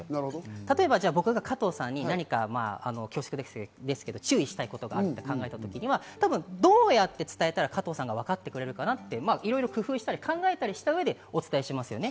例えば僕が加藤さんに何か恐縮ですけれど注意したいことがあると考えた時にはどうやって伝えたら加藤さんが分かってくれるかなって、いろいろ工夫したり、考えたりした上でお伝えしますよね。